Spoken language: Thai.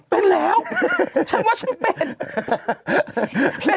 เป็นแล้วฉันว่าฉันเป็น